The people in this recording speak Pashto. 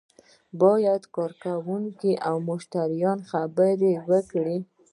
باید خپل کارکوونکي او مشتریان خبر کړي.